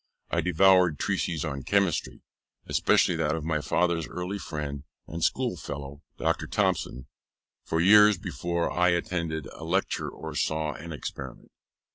I devoured treatises on Chemistry, especially that of my father's early friend and schoolfellow, Dr. Thomson, for years before I attended a lecture or saw an experiment.